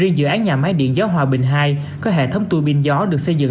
riêng dự án nhà máy điện gió hòa bình ii có hệ thống tui binh gió được xây dựng